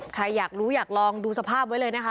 ใครอยากรู้อยากลองดูสภาพไว้เลยนะคะ